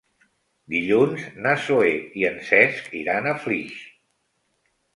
Dilluns na Zoè i en Cesc iran a Flix.